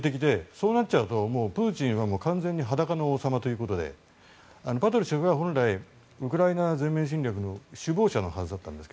そうなっちゃうとプーチンは完全に裸の王様ということでパトルシェフは本来ウクライナ全面侵略の首謀者のはずだったんですが。